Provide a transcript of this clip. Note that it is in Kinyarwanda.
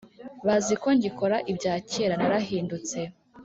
baziko ngikora ibyakera narahindutse